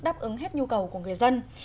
đáp ứng hết nhu cầu của người dân